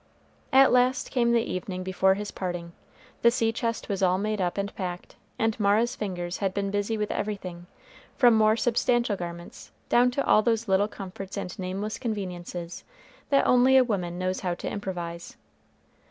At last came the evening before his parting; the sea chest was all made up and packed; and Mara's fingers had been busy with everything, from more substantial garments down to all those little comforts and nameless conveniences that only a woman knows how to improvise.